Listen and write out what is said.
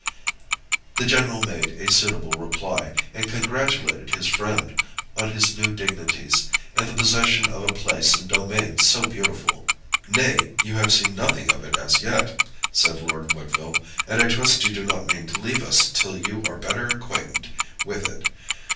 The general made a suitable reply, and congratulated his friend on his new dignities, and the possession of a place and domain so beautiful. "Nay, you have seen nothing of it as yet," said Lord Woodville, "and I trust you do not mean to leave us till you are better acquainted with it.